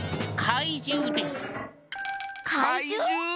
かいじゅう？